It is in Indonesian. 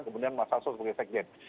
kemudian masas tol sebagai sekjen